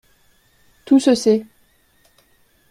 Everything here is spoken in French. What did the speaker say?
Tout se sait.